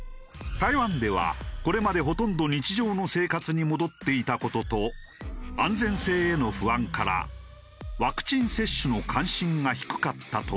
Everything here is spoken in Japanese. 台湾ではこれまでほとんど日常の生活に戻っていた事と安全性への不安からワクチン接種の関心が低かったという。